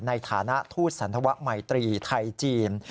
ในฐานะทูตสันธวะมัยตรีไทยจีน